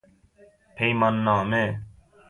پیمان نامه